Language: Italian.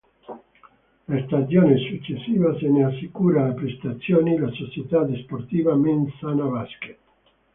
La stagione successiva se ne assicura le prestazioni la società sportiva Mens Sana Basket.